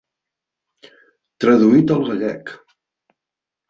Traduït al Gallec.